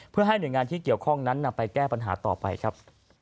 เพื่อให้หน่วยงานที่เกี่ยวข้องนั้นนำไปแก้ปัญหาต่อไปครับ